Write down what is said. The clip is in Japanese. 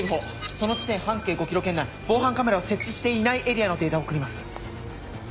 その地点半径５ｋｍ圏内防犯カメラを設置していないエリアのデータを送ります。